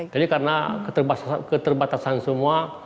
jadi karena keterbatasan semua